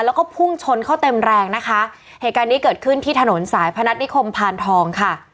แล้วก็พุ่งชนเขาเต็มแรงนะคะเหตุการณ์นี้เกิดขึ้นที่ถนนสายพนัฐนิคมพานทองค่ะ